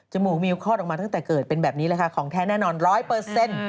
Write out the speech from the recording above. มูกมิวคลอดออกมาตั้งแต่เกิดเป็นแบบนี้แหละค่ะของแท้แน่นอนร้อยเปอร์เซ็นต์